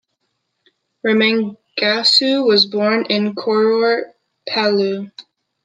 Remengesau was born in Koror, Palau.